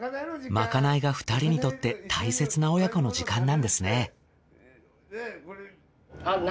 まかないが２人にとって大切な親子の時間なんですね。